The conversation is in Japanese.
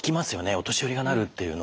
お年寄りがなるっていうの。